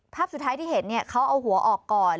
ภาพสุดท้ายที่เห็นเขาเอาหัวออกก่อน